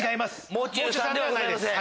「もう中」さんではないです。